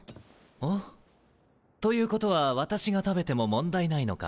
ほうということは私が食べても問題ないのか。